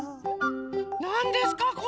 なんですかこれ？